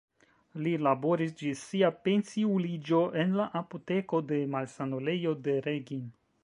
Li laboris ĝis sia pensiuliĝo en la apoteko de malsanulejo de Reghin.